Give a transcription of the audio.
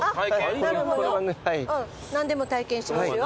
何でも体験しますよ。